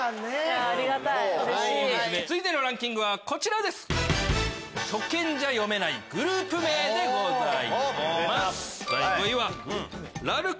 こちらです。